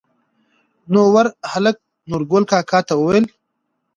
نوور هلکانو نورګل کاکا ته وويل